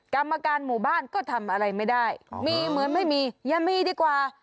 กรรมการหมู่บ้านก็ทำอะไรไม่ได้มีเหมือนไม่มีอย่ามีดีกว่า